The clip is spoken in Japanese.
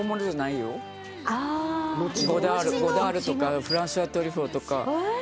ゴダールとかフランソワ・トリュフォーとか。